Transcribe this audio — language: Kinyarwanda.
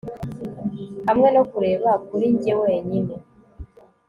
hamwe no kureba kuri njye wenyine